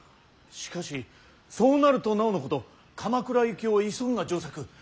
しかしそうなるとなおのこと鎌倉行きを急ぐが上策。